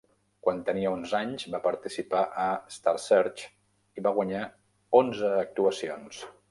Quan tenia onze anys va participar a "Star Search" i va guanyar onze actuacions.